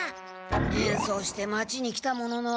変装して町に来たものの。